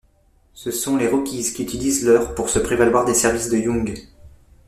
Ce sont les Rockies qui utilisent leur pour se prévaloir des services de Young.